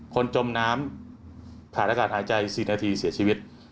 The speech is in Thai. จมน้ำขาดอากาศหายใจ๔นาทีเสียชีวิต